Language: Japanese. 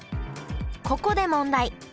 ここで問題。